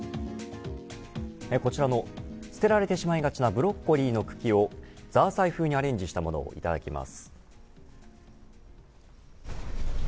こちらの捨てられてしまいがちなブロッコリーの茎をザーサイ風にアレンジしたものをいただきます。